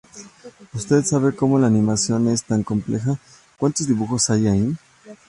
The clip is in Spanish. Usted sabe como, la animación es tan compleja, ¿Cuántos dibujos hay ahí?